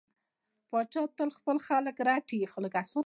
پاچا تل خپل خلک رټي.